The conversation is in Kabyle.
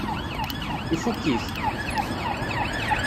Ifukk-it?